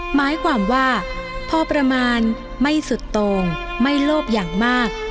หมายความว่าพอประมาณไม่สุดโต่งไม่โลภอย่างมาก